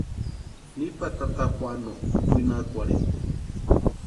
Nipa tata Juanuo kwinakwarhini.